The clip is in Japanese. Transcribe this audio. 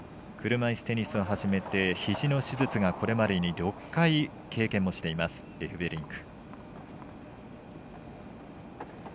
車いすテニスを始めてひじの手術がこれまでに６回経験していますエフベリンク。